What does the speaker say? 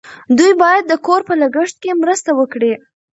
دوی باید د کور په لګښت کې مرسته وکړي.